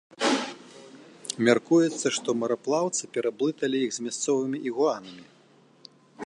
Мяркуецца, што мараплаўцы пераблыталі іх з мясцовымі ігуанамі.